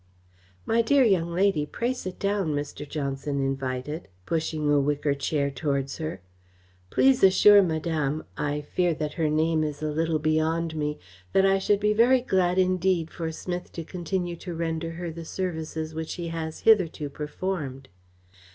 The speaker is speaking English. "My dear young lady, pray sit down," Mr. Johnson invited, pushing a wicker chair towards her. "Please assure Madame I fear that her name is a little beyond me that I should be very glad indeed for Smith to continue to render her the services which he has hitherto performed."